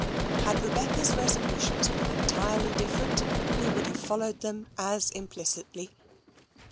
Had Rebecca's resolutions been entirely different, he would have followed them as implicitly.